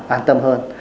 an tâm hơn